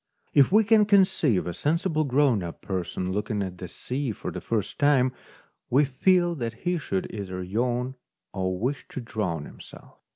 If we can conceive a sensible grown up person looking at the sea for the first time, we feel that he should either yawn or wish to drown himself.